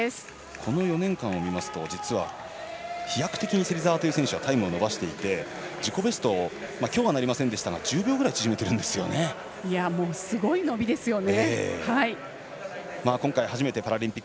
この４年間を見ますと実は、飛躍的に芹澤という選手はタイムを伸ばしていて、自己ベストをきょうはなりませんでしたが１０秒ぐらい縮めてるんですよね。